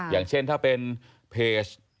อย่างเช่นถ้าเป็นเพจ